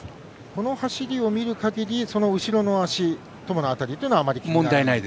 この走りを見るかぎり後ろの脚トモの辺りというのはあまり気にならない？